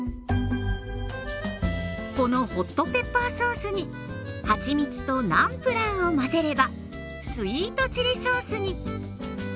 このホットペッパーソースにはちみつとナムプラーを混ぜればスイートチリソースに。